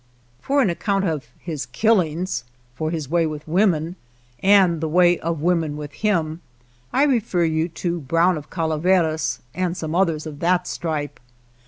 For an account of his killings, for his way with women and the way of women with him, I refer you to Brown of Calaveras and some others of 114 JIMVILLE that stripe.